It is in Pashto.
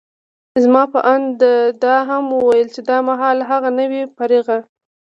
زما په اند، ده دا هم وویل چي دا مهال هغه، نه وي فارغه.